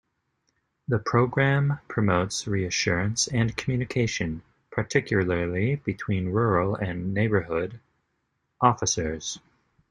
The programme promotes reassurance and communication, particularly between rural and neighbourhood officers.